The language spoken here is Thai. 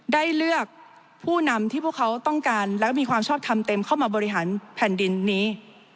ได้เลือกผู้นำที่พวกเขาต้องการและมีความชอบทำเต็มเข้ามาบริหารแผ่นดินนี้